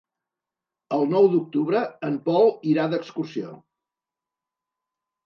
El nou d'octubre en Pol irà d'excursió.